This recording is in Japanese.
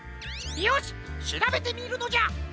よししらべてみるのじゃ！